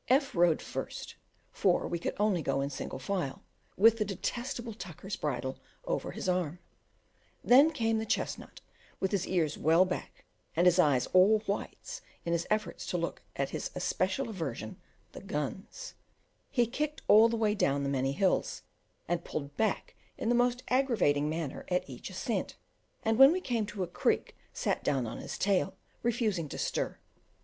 F rode first for we could only go in single file with the detestable Tucker's bridle over his arm; then came the chestnut, with his ears well back, and his eyes all whites, in his efforts to look at his especial aversion, the guns; he kicked all the way down the many hills, and pulled back in the most aggravating manner at each ascent, and when we came to a creek sat down on his tail, refusing to stir.